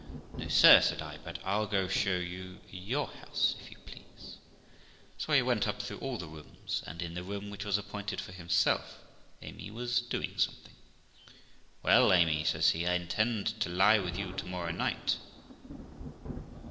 'No, sir', said I; 'but I'll go show you your house, if you please '; so we went up through all the rooms, and 212 THE LIFE OF ROXANA in the room which was appointed for himself Amy was doing something. 'Well, Amy', says he, 'I intend to lie with you to morrow night.'